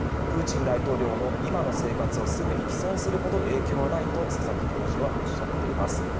プーチン大統領の今の生活をすぐに棄損するほど影響はないと佐々木教授はおっしゃっています。